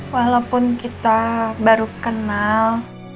walaupun kita baru kenal